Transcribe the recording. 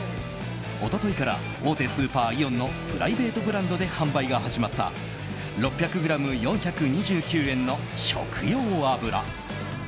一昨日から大手スーパー、イオンのプライベートブランドで販売が始まった６００ｇ、４２９円の食用油。